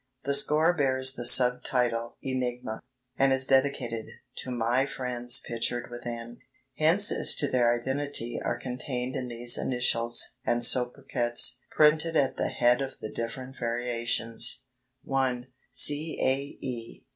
The score bears the sub title "Enigma," and is dedicated "to my friends pictured within." Hints as to their identity are contained in these initials and sobriquets printed at the head of the different variations: 1. "C. A. E."